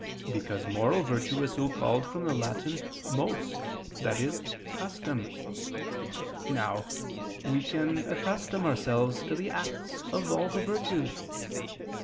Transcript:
Because moral virtue is so called from the Latin mos, i.e. custom. Now, we can accustom ourselves to the acts of all the virtues.